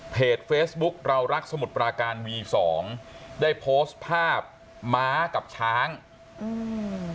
เฟซบุ๊คเรารักสมุทรปราการวีสองได้โพสต์ภาพม้ากับช้างอืม